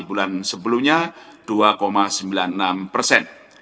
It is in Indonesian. bulan sebelumnya dua sembilan puluh enam persen